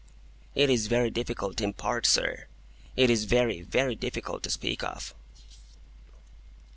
"It is very difficult to impart, sir. It is very, very difficult to speak of.